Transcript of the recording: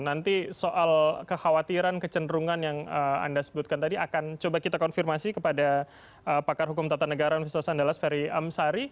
nanti soal kekhawatiran kecenderungan yang anda sebutkan tadi akan coba kita konfirmasi kepada pakar hukum tata negara universitas andalas ferry amsari